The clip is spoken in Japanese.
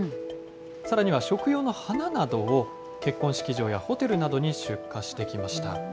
さらには食用の花などを、結婚式場やホテルなどに出荷してきました。